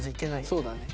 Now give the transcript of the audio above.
そうだね。